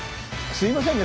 すいませんね